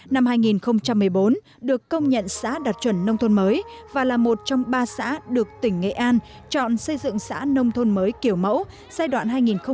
năm hai nghìn một mươi bốn được công nhận xã đạt chuẩn nông thôn mới và là một trong ba xã được tỉnh nghệ an chọn xây dựng xã nông thôn mới kiểu mẫu giai đoạn hai nghìn một mươi sáu hai nghìn hai mươi